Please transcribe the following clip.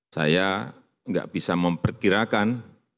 saya enggak bisa memperkirakan